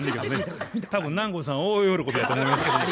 多分南光さん大喜びやと思いますけどね。